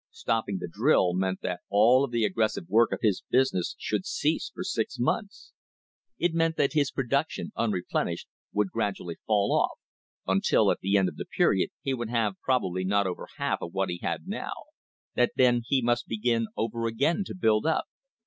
Stopping the drill meant that all of the aggressive work of his business should cease for six months. It meant that his production, unreplenished, would gradually fall off, until at the end of the period he would have probably not over half of what he had now; that then he must begin over again to build up.